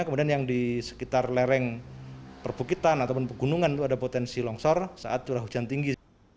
kemudian yang di sekitar lereng perbukitan ataupun pegunungan itu ada potensi longsor saat curah hujan tinggi